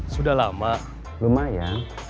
sudah lama lumayan